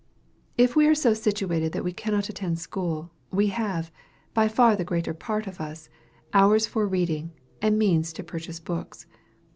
If we are so situated that we cannot attend school, we have, by far the greater part of us, hours for reading, and means to purchase books.